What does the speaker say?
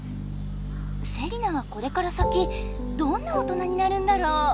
セリナはこれから先どんな大人になるんだろう？